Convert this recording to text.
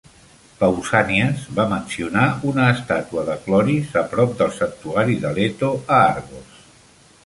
Pausànies va mencionar una estàtua de Chloris a prop del santuari de Leto, a Argos.